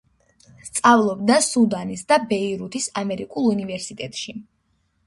სწავლობდა სუდანის და ბეირუთის ამერიკულ უნივერსიტეტში.